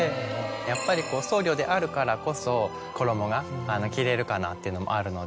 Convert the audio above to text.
やっぱりこう僧侶であるからこそ衣が着れるかなっていうのもあるので。